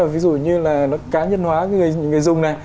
ví dụ như là cá nhân hóa